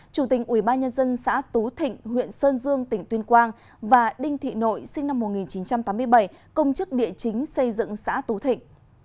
chủ tình ubnd xã tú thịnh huyện sơn dương tỉnh tuyên quang và đinh thị nội sinh năm một nghìn chín trăm tám mươi bảy công chức địa chính xây dựng xã tú thịnh